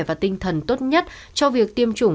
và tinh thần tốt nhất cho việc tiêm chủng